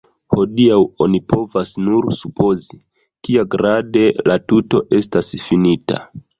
Hodiaŭ oni povas nur supozi, kiagrade la tuto estas finita.